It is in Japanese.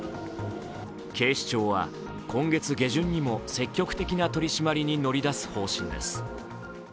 警視庁は、今月下旬にも積極的な取り締まりに乗り出す方針です。